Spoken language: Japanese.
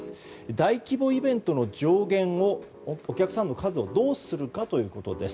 大規模イベントの上限お客さんの数をどうするかということです。